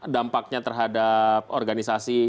dampaknya terhadap organisasi